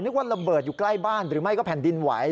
ว่าระเบิดอยู่ใกล้บ้านหรือไม่ก็แผ่นดินไหว